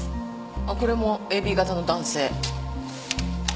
あっこれもＡＢ型の男性。